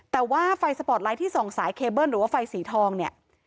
แต่ว่าไฟสปอร์ตไลท์ที่ส่องสายเคเบิ้ลหรือว่าไฟสีทองเนี่ย